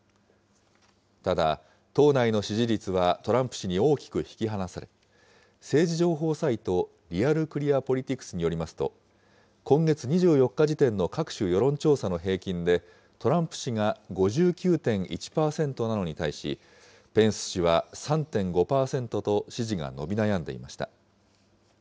ただ、党内の支持率はトランプ氏に大きく引き離され、政治情報サイト、リアル・クリア・ポリティクスによりますと、今月２４日時点の各種世論調査の平均で、トランプ氏が５９．１％なのに対し、ペンス氏は３．５％と支持が伸び悩んでいました。